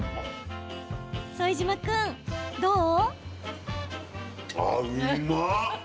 副島君、どう？